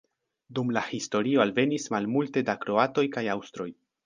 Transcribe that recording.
Dum la historio alvenis malmulte da kroatoj kaj aŭstroj.